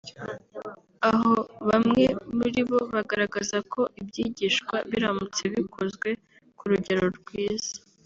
aho bamwe muri bo bagaragaza ko ibyigishwa biramutse bikozwe ku rugero rwiza